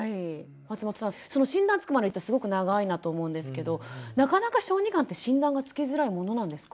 松本さんその診断つくまでってすごく長いなと思うんですけどなかなか小児がんって診断がつきづらいものなんですか？